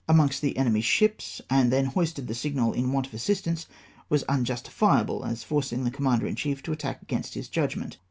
amongst the enemy's ships, and then hoisted the signal " In leant of assistance" was nnjustifiable, as forcing the commander in chief to attack against his judgment.